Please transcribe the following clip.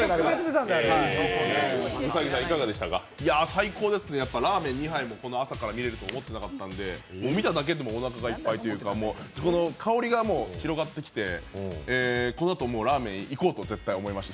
最高ですね、ラーメン２杯もこの朝から見れると思ってなかったんで、もう見ただけでも、おなかがいっぱいというか、香りがもう広がってきて、このあと、ラーメン行こうと絶対思いました。